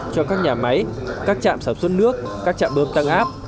cho các nhà máy các trạm sản xuất nước các trạm bơm tăng áp